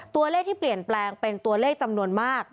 ตัวเลขที่เปลี่ยนแปลงเป็นตัวเลขจำนวนมาก